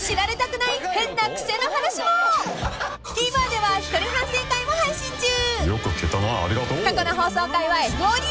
［ＴＶｅｒでは一人反省会も配信中］